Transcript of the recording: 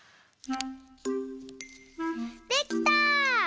できた！